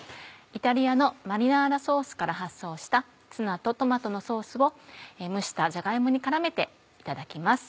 イタリアのマリナーラソースから発想したツナとトマトのソースを蒸したじゃが芋に絡めていただきます。